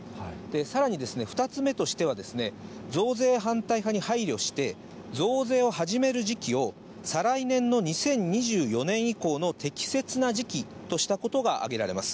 さらに、２つ目としては、増税反対派に配慮して、増税を始める時期を、再来年の２０２４年以降の適切な時期としたことが挙げられます。